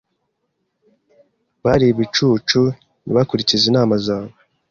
Bari ibicucu ntibakurikize inama zawe.